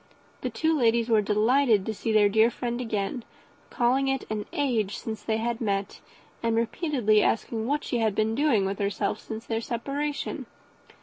The two ladies were delighted to see their dear friend again, called it an age since they had met, and repeatedly asked what she had been doing with herself since their separation.